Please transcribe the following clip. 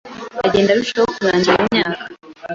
Agenda arushaho kunangira imyaka.